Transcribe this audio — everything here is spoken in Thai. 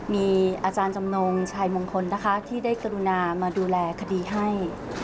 มีอาจารย์จำนงชายมงคลนะคะที่ได้กรุณามาดูแลคดีให้